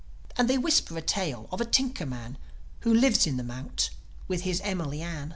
And they whisper a tale of a tinker man, Who lives in the mount with his Emily Ann.